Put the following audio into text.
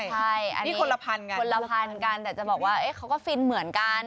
ใช่อันนี้คนละพันกันคนละพันกันแต่จะบอกว่าเขาก็ฟินเหมือนกัน